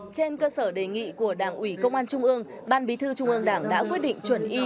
trên cơ sở đề nghị của đảng ủy công an trung ương ban bí thư trung ương đảng đã quyết định chuẩn y